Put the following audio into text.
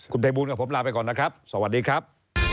ภัยบูลกับผมลาไปก่อนนะครับสวัสดีครับ